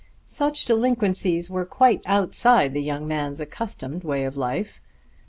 Such delinquencies were quite outside the young man's accustomed way of his life.